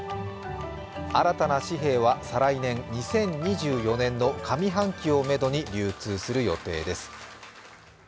新たな紙幣は再来年、２０２４年の上半期をめどに流通する予定です。